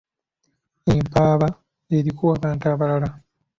Empaaba eriko abantu abalala.